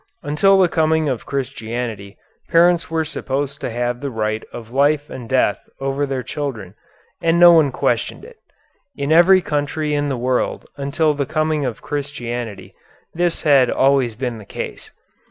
Until the coming of Christianity parents were supposed to have the right of life and death over their children, and no one questioned it. In every country in the world until the coming of Christianity this had always been the case.